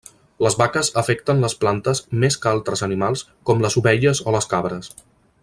Les vaques afecten les plantes més que altres animals com les ovelles o les cabres.